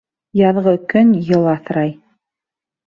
Яҙғы көн йыл аҫрай.